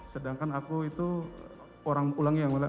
sedangkan aku itu